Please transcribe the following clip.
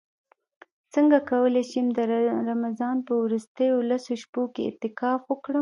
څنګه کولی شم د رمضان په وروستیو لسو شپو کې اعتکاف وکړم